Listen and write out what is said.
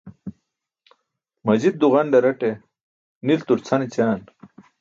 Majit duġanḍaraṭe niltur cʰan ećaan.